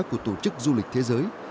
của tổ chức du lịch thế giới